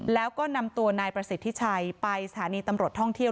แล้วก็นำตัวนายประสิทธิชัยไปสถานีตำรวจท่องเที่ยว